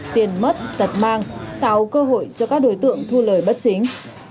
tiền mất tật mang tạo cơ hội cho các đối tượng thu lời bất chính